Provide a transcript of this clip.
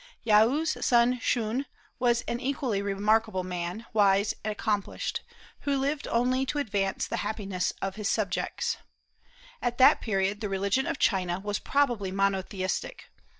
Yaou's son Shun was an equally remarkable man, wise and accomplished, who lived only to advance the happiness of his subjects. At that period the religion of China was probably monotheistic.